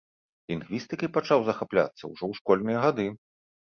Лінгвістыкай пачаў захапляцца ўжо ў школьныя гады.